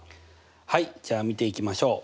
はいじゃあ見ていきましょう。